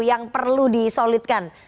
yang perlu disolidkan